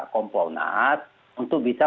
kompolnas untuk bisa